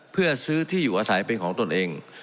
เพื่อซื้อที่อยู่อาศัยเป็นของตนเอง